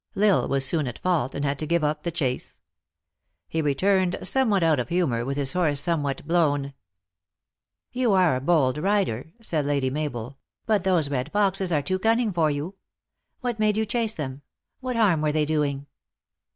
L Isle was soon at fault, and had to give up the chase. He returned somewhat out of humor, with his horse some what blown. " You are a bold rider," said Lady Mabel, " but those red foxes are too cunning for you. What made you chase them ? What harm were they doing